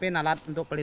ini kommtu apa lah